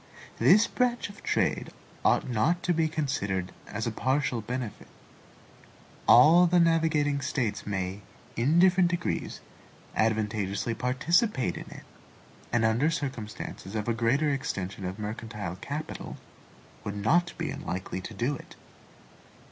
This branch of trade ought not to be considered as a partial benefit. All the navigating States may, in different degrees, advantageously participate in it, and under circumstances of a greater extension of mercantile capital, would not be unlikely to do it.